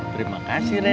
terima kasih rena